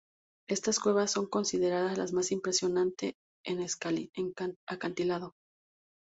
Estas cuevas son consideradas las más impresionante en acantilado.